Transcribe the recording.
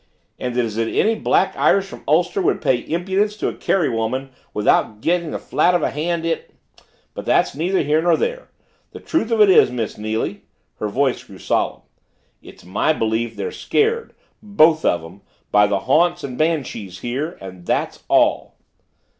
"And is it any Black Irish from Ulster would play impudence to a Kerrywoman without getting the flat of a hand in but that's neither here nor there. The truth of it is, Miss Neily," her voice grew solemn, "it's my belief they're scared both of them by the haunts and the banshees here and that's all."